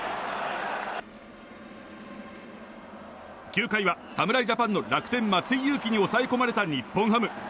９回は侍ジャパンの楽天、松井裕樹に抑え込まれた日本ハム。